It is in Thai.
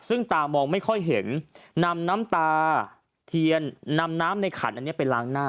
ซึ่งตามองไม่ค่อยเห็นนำน้ำตาเทียนนำน้ำในขันอันนี้ไปล้างหน้า